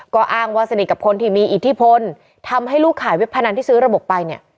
ก็อ้างว่าสนิทกับคนที่มีอิทธิพลทำให้ลูกขายเว็บพนันที่ซื้อระบบไปเนี่ย